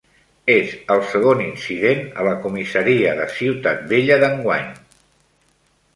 És el segon incident a la comissaria de Ciutat Vella d'enguany